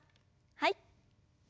はい。